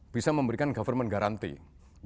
bisa memberikan government guarantee